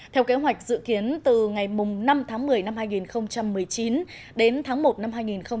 theo kế hoạch dự kiến từ ngày năm tháng một mươi năm hai nghìn một mươi chín đến tháng một năm hai nghìn hai mươi